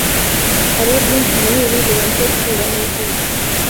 Hariho byinshi muribi birenze guhura nijisho.